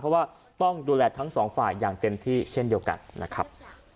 เพราะว่าต้องดูแลทั้งสองฝ่ายอย่างเต็มที่เช่นเดียวกันนะครับ